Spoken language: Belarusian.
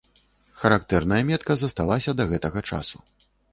Характэрная метка засталася да гэтага часу.